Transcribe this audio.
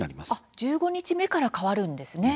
１５日目から変わるんですね。